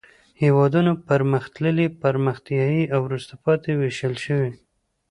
هېوادونه په پرمختللي، پرمختیایي او وروسته پاتې ویشل شوي.